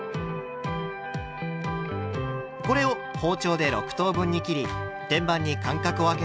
これを包丁で６等分に切り天板に間隔をあけて並べます。